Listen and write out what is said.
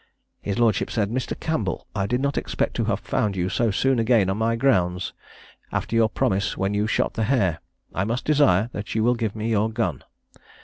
His lordship said, "Mr. Campbell, I did not expect to have found you so soon again on my grounds, after your promise when you shot the hare. I must desire that you will give me your gun."